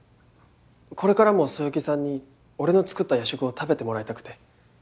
これからもそよぎさんに俺の作った夜食を食べてもらいたくて。